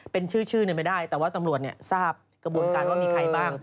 เป็นชื่อไม่ได้แต่ว่าตำรวจทราบกระบวนการว่ามีใครบ้าง